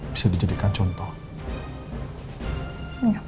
bisa dijadikan perempuan yang cukup